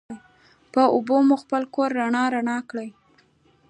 په اوبو مو دا خپل کور رڼا رڼا کړي